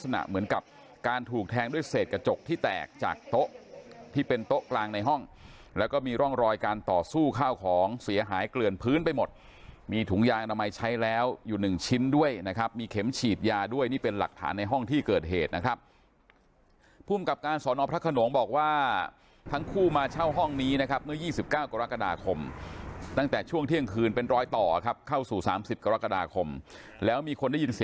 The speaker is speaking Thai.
ในห้องแล้วก็มีร่องรอยการต่อสู้ข้าวของเสียหายเกลือนพื้นไปหมดมีถุงยางอนามัยใช้แล้วอยู่หนึ่งชิ้นด้วยนะครับมีเข็มฉีดยาด้วยนี่เป็นหลักฐานในห้องที่เกิดเหตุนะครับภูมิกับการสอนอพระขนวงบอกว่าทั้งคู่มาเช่าห้องนี้นะครับเมื่อยี่สิบเก้ากรกฎาคมตั้งแต่ช่วงเที่ยงคืนเป็นรอยต่อครับเข้าสู่สามส